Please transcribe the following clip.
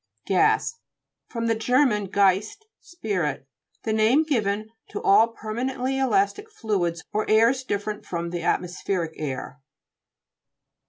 GAS fr, ger. geist, spirit. The name given to all permanently elas tic fluids or airs different from the atmospheric air.